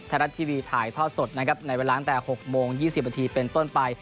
แทนรัสทีวีถ่ายท่อสดนะครับในเวลาตั้งแต่หกโมงยี่สิบประทีเป็นต้นไป